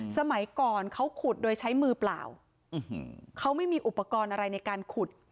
สมัยก่อนเขาขุดโดยใช้มือเปล่าเขาไม่มีอุปกรณ์อะไรในการขุด